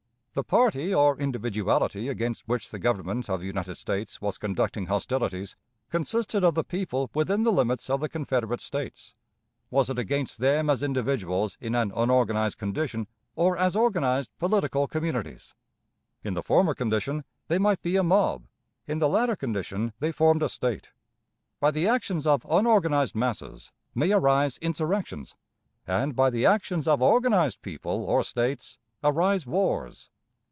The party or individuality against which the Government of the United States was conducting hostilities consisted of the people within the limits of the Confederate States. Was it against them as individuals in an unorganized condition, or as organized political communities? In the former condition they might be a mob; in the latter condition they formed a State. By the actions of unorganized masses may arise insurrections, and by the actions of organized people or states, arise wars.